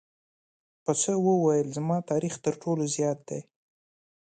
پسه وویل زما تاریخ تر ټولو زیات دی.